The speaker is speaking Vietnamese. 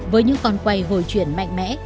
với những con quay hồi chuyển mạnh mẽ